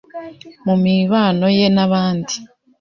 mu mibano ye n’abandi.